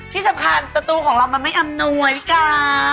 ที่สำคัญสตูของเรามันไม่อำนวยพี่กา